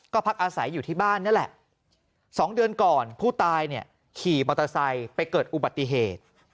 ก็พักอาศัยอยู่ที่บ้านนั่นแหละ๒เดือนก่อนผู้ตายเนี่ยขี่มอเตอร์ไซค์ไปเกิดอุบัติเหตุ